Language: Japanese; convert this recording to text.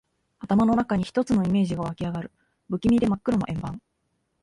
頭の中に一つのイメージが湧きあがる。不気味で真っ黒な円盤。